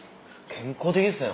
健康的ですね